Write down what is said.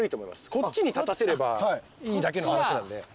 こっちに立たせればいいだけの話なんで。